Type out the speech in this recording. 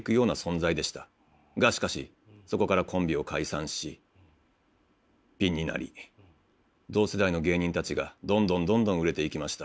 がしかしそこからコンビを解散しピンになり同世代の芸人たちがどんどんどんどん売れていきました。